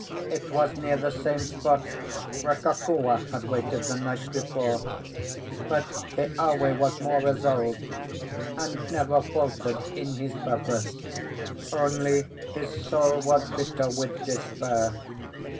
It was near the same spot where Kokua had waited the night before; but Keawe was more resolved, and never faltered in his purpose; only his soul was bitter with despair.